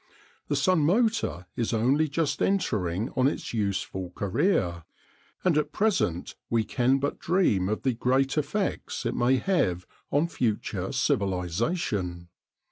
The sun motor is only just entering on its useful career, and at present we can but dream of the great effects it may have on future civilisation.